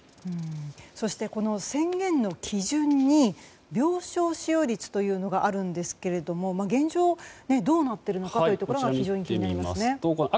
そして宣言の基準に病床使用率というものがあるんですが現状、どうなっているのか気になりますね。